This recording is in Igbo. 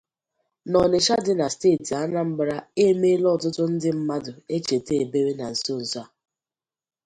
n'Ọnịtsha dị na steeti Anambra emeela ọtụtụ ndị mmadụ 'echete ebebe' na nsonso a